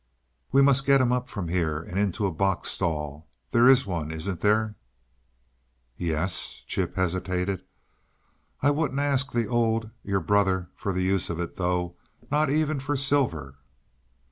"We must get him up from there and into a box stall. There is one, isn't there?" "Y e s " Chip hesitated. "I wouldn't ask the Old your brother, for the use of it, though; not even for Silver."